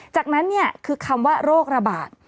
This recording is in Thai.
จากนั้นคือคำว่าโรคระบาด